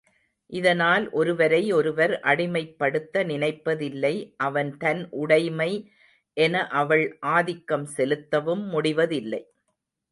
இதனால் ஒருவரை ஒருவர் அடிமைப்படுத்த நினைப்பதில்லை அவன் தன் உடைமை என அவள் ஆதிக்கம் செலுத்தவும் முடிவதில்லை.